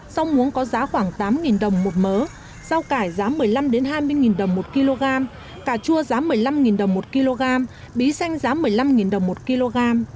rau muống có giá khoảng tám đồng một mớ rau cải giá một mươi năm hai mươi đồng một kg cà chua giá một mươi năm đồng một kg bí xanh giá một mươi năm đồng một kg